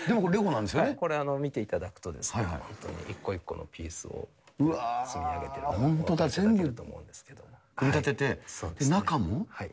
これ、見ていただくとですね、本当に一個一個のピースを積み上げてるのが見ていただけると思う本当だ、全部組み立てて、中も？